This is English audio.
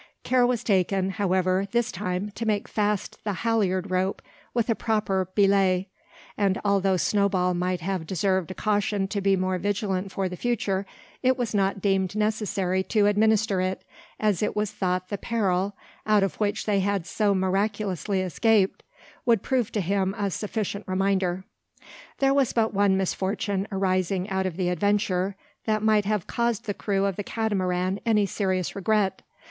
Care was taken, however, this time to make fast the halliard rope with a proper "belay"; and although Snowball might have deserved a caution to be more vigilant for the future, it was not deemed necessary to administer it, as it was thought the peril out of which they had so miraculously escaped would prove to him a sufficient reminder. There was but one misfortune arising out of the adventure that might have caused the crew of the Catamaran any serious regret.